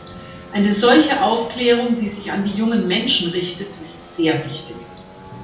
Eine solche Aufklärung, die sich an die jungen Menschen richtet, ist sehr wichtig.